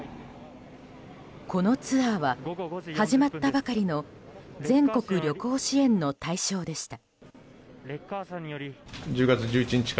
このツアーは始まったばかりの全国旅行支援の対象でした。